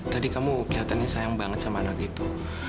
tadi kamu kelihatannya sayang banget sama anak itu